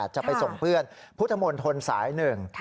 จะไปส่งเพื่อนพุทธมนตรสายหนึ่ง